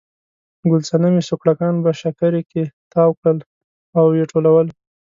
ګل صنمې سوکړکان په شکري کې تاو کړل او یې ټولول.